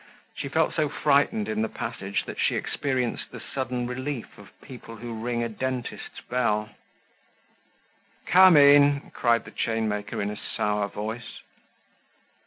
She felt so frightened in the passage that she experienced the sudden relief of people who ring a dentist's bell. "Come in!" cried the chainmaker in a sour voice.